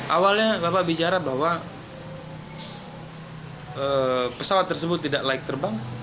awalnya bapak bicara bahwa pesawat tersebut tidak layak terbang